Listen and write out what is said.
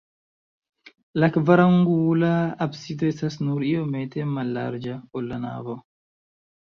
La kvarangula absido estas nur iomete mallarĝa, ol la navo.